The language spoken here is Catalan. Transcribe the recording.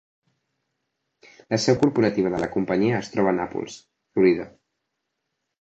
La seu corporativa de la companyia es troba a Nàpols, Florida.